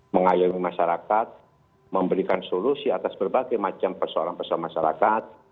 mengayomi masyarakat memberikan solusi atas berbagai macam persoalan persoalan masyarakat